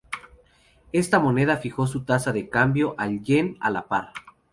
Esta moneda fijó su tasa de cambio al yen a la par.